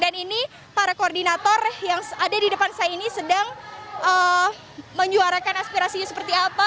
ini para koordinator yang ada di depan saya ini sedang menyuarakan aspirasinya seperti apa